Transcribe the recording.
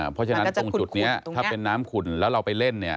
เพราะฉะนั้นตรงจุดนี้ถ้าเป็นน้ำขุ่นแล้วเราไปเล่นเนี่ย